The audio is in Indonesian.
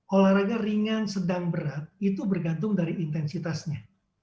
olahraga ringan sedang berat itu bergantung dari intensitasnya